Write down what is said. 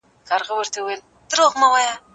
مات به مو پیمان نه وي ته به یې او زه به یم